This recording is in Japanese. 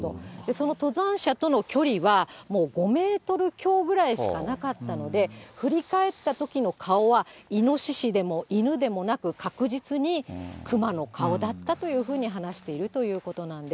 その登山者との距離は、もう５メートル強ぐらいしかなかったので、振り返ったときの顔は、イノシシでも犬でもなく、確実にクマの顔だったというふうに話しているということなんです。